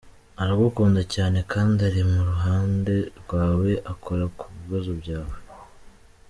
Aragukunda cyane, kandi ari mu ruhande rwawe akora ku bibazo byawe!.